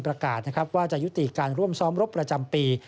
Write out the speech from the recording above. ประกาศนะครับว่าจะยุติการร่วมซ้อมรบประจำปี